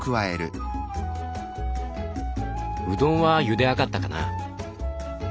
うどんはゆで上がったかな？